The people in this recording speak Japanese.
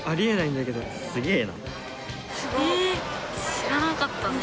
知らなかったね。